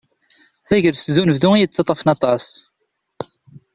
Tagrest d unebdu i yettaṭṭafen aṭas.